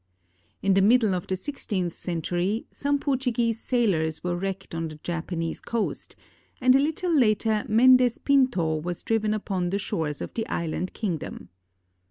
In the middle of the sixteenth century, some Portuguese sailors were wrecked on the Japanese coast ; and a little later Mendez Pinto was driven upon the shores of the Island Kingdom.